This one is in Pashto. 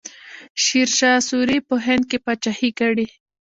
شیرشاه سوري په هند کې پاچاهي کړې.